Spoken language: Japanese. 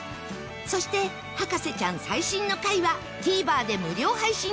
そして『博士ちゃん』最新の回は ＴＶｅｒ で無料配信中